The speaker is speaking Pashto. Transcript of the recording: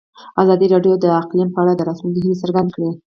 ازادي راډیو د اقلیم په اړه د راتلونکي هیلې څرګندې کړې.